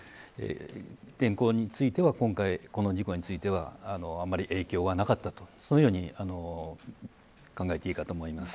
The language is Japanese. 天候については、今回この事故についてはあまり影響はなかったとそのように考えていいかと思います。